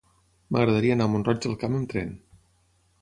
M'agradaria anar a Mont-roig del Camp amb tren.